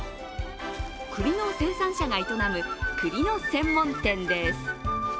栗の生産者が営む栗の専門店です。